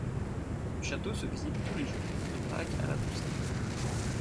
Le château se visite tous les jours de Pâques à la Toussaint.